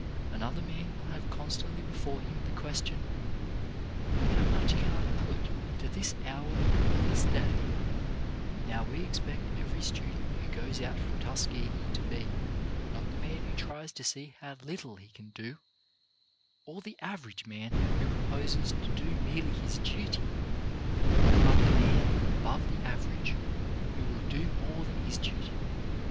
An other man will have constantly before him the question: "How much can I put into this hour SOME LESSONS OF THE HOUR 147 or this day ?" Now we expect every student who goes out from Tuskegee to be, not the man who tries to see how little he can do, or the average man who proposes to do merely his duty, but the man above the average, who will do more than his duty.